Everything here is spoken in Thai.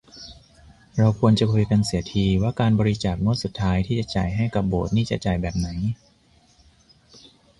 เราควรจะคุยกันเสียที ว่าการบริจาคงวดสุดท้ายที่จะจ่ายให้กับโบสถ์นี่จะจ่ายแบบไหน